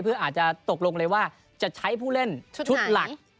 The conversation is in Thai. เพื่ออาจจะตกลงเลยว่าจะใช้ผู้เล่นชุดหลัก